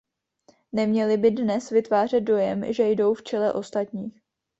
Neměly by dnes vytvářet dojem, že jdou v čele ostatních.